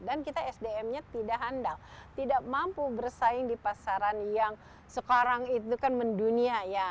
dan kita sdm nya tidak handal tidak mampu bersaing di pasaran yang sekarang itu kan mendunia ya